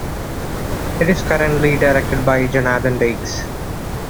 It is currently directed by Jonathan Dykes.